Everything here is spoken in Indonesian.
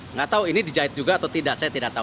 nggak tahu ini dijahit juga atau tidak saya tidak tahu